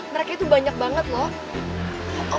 mereka tuh banyak banget lho